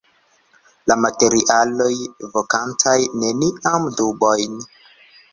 La materialoj, vokantaj neniajn dubojn.